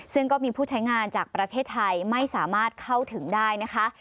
ซึ่งก็มีผู้ใช้งานจากประเทศไทยไม่สามารถเข้าถึงได้นะคะ